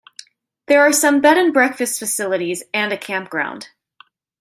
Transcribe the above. There are some Bed and Breakfast facilities and a campground.